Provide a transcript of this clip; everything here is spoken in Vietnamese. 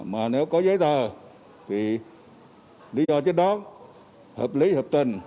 mà nếu có giấy tờ thì lý do chất đón hợp lý hợp tình